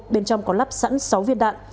bên trong có lắp sẵn sáu viên đạn